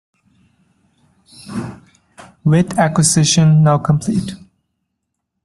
With acquisition now complete.